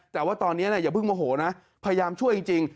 แต่ว่าตอนนี้อย่าเพิ่งโมโหนะพยายามช่วยจริง